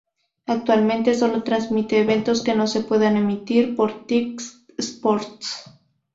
Actualmente solo transmite eventos que no se puedan emitir por TyC Sports.